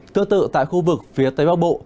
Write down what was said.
tương tự tại khu vực phía tây bắc bộ